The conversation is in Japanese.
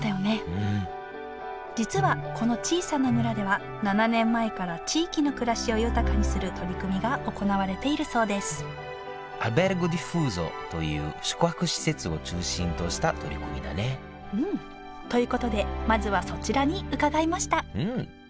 うん実はこの小さな村では７年前から地域の暮らしを豊かにする取り組みが行われているそうですという宿泊施設を中心とした取り組みだねということでまずはそちらに伺いました